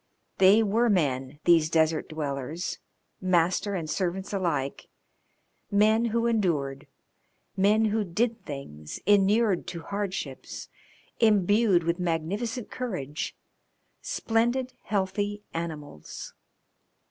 They were men, these desert dwellers, master and servants alike; men who endured, men who did things, inured to hardships, imbued with magnificent courage, splendid healthy animals.